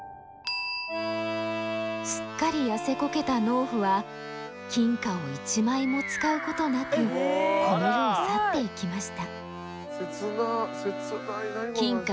すっかり痩せこけた農夫は金貨を一枚も使うことなくこの世を去っていきました。